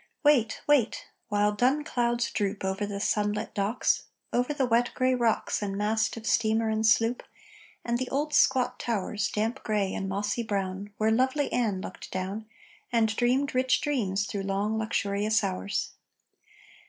Wait!... Wait!... While dun clouds droop Over the sunlit docks, Over the wet gray rocks And mast of steamer and sloop, And the old squat towers, Damp gray and mossy brown, Where lovely Ann looked down And dreamed rich dreams through long luxurious hours.